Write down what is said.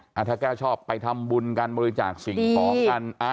วอเจมส์ถ้าแก้วชอบไปทำบุญการบริจาคสิ่งทองกัน